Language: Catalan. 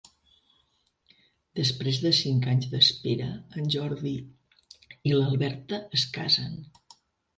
Després de cinc anys d'espera, en Jordi i l'Alberta es casen.